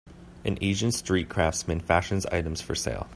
An asian street craftsman fashions items for sale.